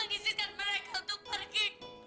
kau bisa membiarkan mereka untuk pergi